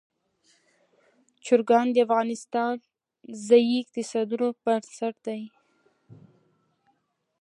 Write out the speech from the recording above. چرګان د افغانستان د ځایي اقتصادونو بنسټ دی.